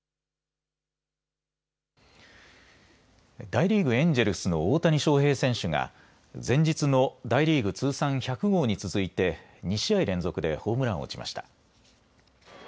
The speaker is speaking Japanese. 大リーグ、エンジェルスの大谷翔平選手が前日の大リーグ通算１００号に続いて２試合連続でホームランを打ちました。